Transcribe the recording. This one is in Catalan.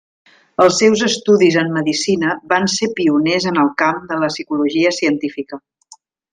Els seus estudis en medicina van ser pioners en el camp de la psicologia científica.